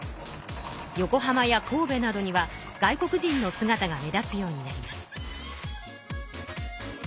横浜や神戸などには外国人のすがたが目立つようになります。